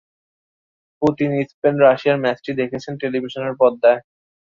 Putin Spain রাশিয়ার ম্যাচটি দেখেছেন টেলিভিশনের পর্দায়।